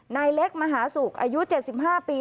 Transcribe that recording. นายเล็กมหาศุกร์อายุ๗๕ปี